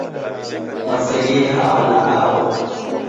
Kwaselie hao na hao?